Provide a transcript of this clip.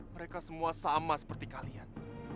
mereka semua sama seperti kalian